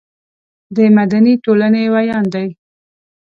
د مدني ټولنې ویاند دی.